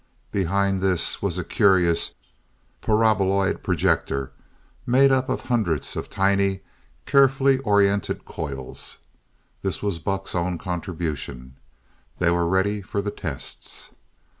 Behind this was a curious, paraboloid projector made up of hundreds of tiny, carefully orientated coils. This was Buck's own contribution. They were ready for the tests.